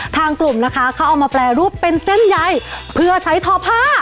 ทางกลุ่มนะคะเขาเอามาแปรรูปเป็นเส้นใยเพื่อใช้ทอผ้า